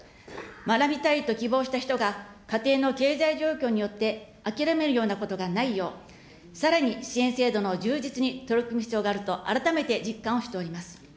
学びたいと希望した人が家庭の経済状況によって、諦めるようなことがないよう、さらに支援制度の充実に取り組む必要があると改めて実感をしております。